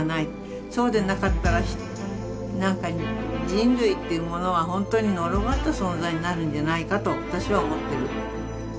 そうでなかったら何か人類というものは本当に呪われた存在になるんじゃないかと私は思ってる。